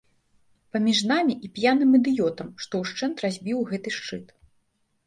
Паміж намі і п'яным ідыётам, што ўшчэнт разбіў гэты шчыт.